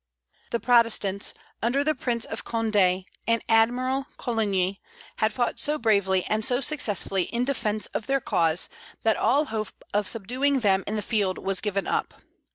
The Protestants, under the Prince of Condé and Admiral Coligny, had fought so bravely and so successfully in defence of their cause that all hope of subduing them in the field was given up.